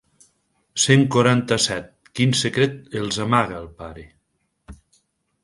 Cent quaranta-set quin secret els amaga el pare.